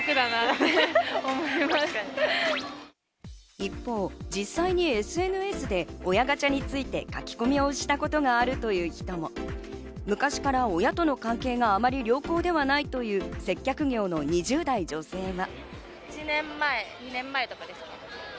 一方、実際にＳＮＳで親ガチャについて書き込みをしたことがあるという人も、昔から親との関係があまり良好ではないという接客業の２０代女性は。